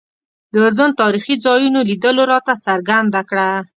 د اردن تاریخي ځایونو لیدلو راته څرګنده کړه.